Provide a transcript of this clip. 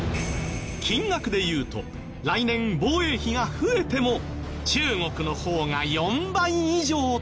金額で言うと来年防衛費が増えても中国の方が４倍以上高くなる。